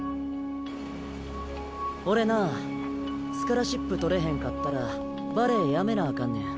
俺なスカラシップ取れへんかったらバレエやめなあかんねん。